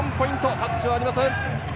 タッチはありません。